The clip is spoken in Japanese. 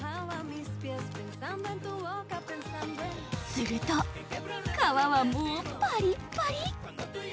すると皮はもうパリッパリ！